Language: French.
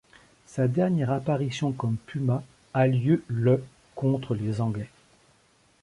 Sa dernière apparition comme Puma a lieu le contre les Anglais.